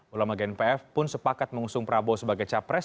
ulama gnpf pun sepakat mengusung prabowo sebagai cowok presiden